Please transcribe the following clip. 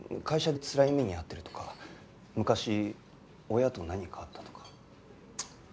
会社でつらい目に遭ってるとか昔親と何かあったとか。